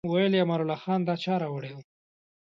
ویل یې امان الله خان دا چای راوړی و.